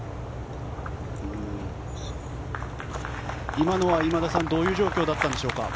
今のは今田さんどういう状況だったですか？